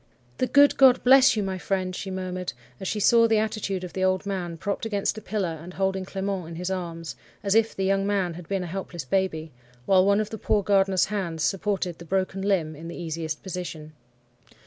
"'The good God bless you, my friend!' she murmured, as she saw the attitude of the old man, propped against a pillar, and holding Clement in his arms, as if the young man had been a helpless baby, while one of the poor gardener's hands supported the broken limb in the easiest position.